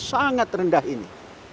sangat rendah ini